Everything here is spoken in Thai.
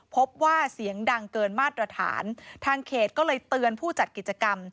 พบว่าเสียงดังเกินมาตรฐานทางเขตก็เลยเตือนผู้จัดกิจกรรม